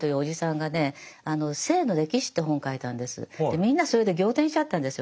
みんなそれで仰天しちゃったんですよ。